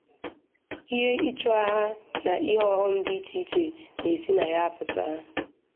ihe ichu aha na ihe ọghọm dị iche iche na-esi na ya apụta